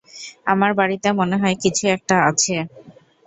আমার বাড়িতে মনে হয় কিছু একটা আছে।